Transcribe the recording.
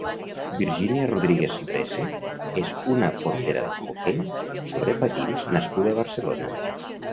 Virginia Rodríguez Rece és una portera d'hoquei sobre patins nascuda a Barcelona.